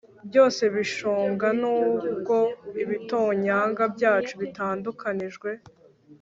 Byose bishonga nubwo ibitonyanga byacu bitandukanijwe